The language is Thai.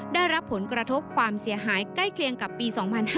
ได้รับผลกระทบความเสียหายใกล้เคียงกับปี๒๕๕๙